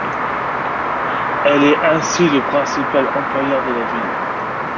Elle est ainsi le principal employeur de la ville.